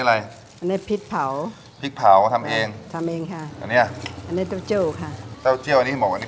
ใส่อะไรบ้างเจ้าเจ้าครับ